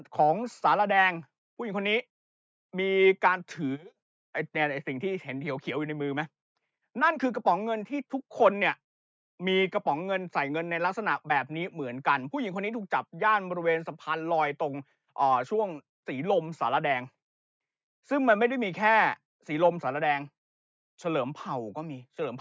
ของสารแดงผู้หญิงคนนี้มีการถือไอ้เนี่ยไอ้สิ่งที่เห็นเขียวอยู่ในมือไหมนั่นคือกระป๋องเงินที่ทุกคนเนี่ยมีกระป๋องเงินใส่เงินในลักษณะแบบนี้เหมือนกันผู้หญิงคนนี้ถูกจับย่านบริเวณสะพานลอยตรงช่วงศรีลมสารแดงซึ่งมันไม่ได้มีแค่สีลมสารแดงเฉลิมเผ่าก็มีเฉลิมเ